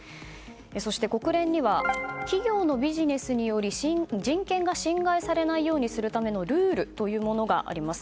そして国連には企業のビジネスにより、人権が侵害されないようにするためのルールというものがあります。